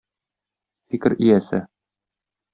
Фикер иясе.